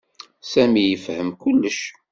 Sami ifehhem kullec.